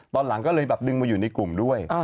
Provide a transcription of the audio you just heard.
ตอนหลังก็เลยแบบดึงมาอยู่ในกลุ่มด้วย